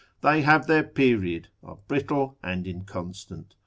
they have their period, are brittle and inconstant.